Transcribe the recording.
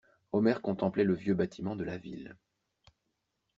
Omer contemplait le vieux bâtiment de la Ville.